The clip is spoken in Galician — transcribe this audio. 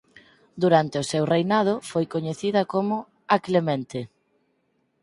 Durante o seu reinado foi coñecida como "A Clemente".